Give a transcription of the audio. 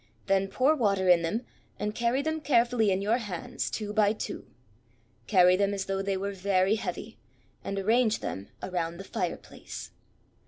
Then pour water in them, and carry them carefully in your hands, two by two. Carry them as though they were very heavy, and arrange them around the fireplace."